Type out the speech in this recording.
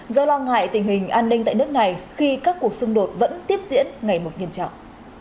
do lo ngại tình hình an ninh tại nước này khi các cuộc xung đột vẫn tiếp diễn ngày một nghiêm trọng